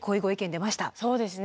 そうですね